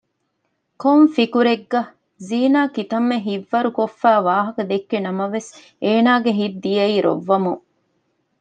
ކޮން ފިކުރެއްގަ؟ ; ޒީނާ ކިތައްމެ ހިތްވަރުކޮށްފައި ވާހަކަ ދެއްކި ނަމަވެސް އޭނަގެ ހިތް ދިޔައީ ރޮއްވަމުން